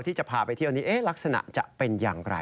ที่จะพาไปเที่ยวนี้ลักษณะจะเป็นอย่างไร